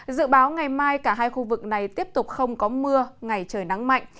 dự báo ngày mai cả hai khu vực này tiếp tục không có mưa ngày trời nắng mạnh